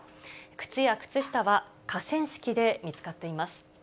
靴や靴下は河川敷で見つかっています。